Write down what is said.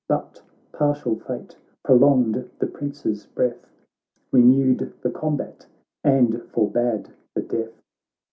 But partial fate prolonged the Prince's breath, Renewed the combat, and forbad the death.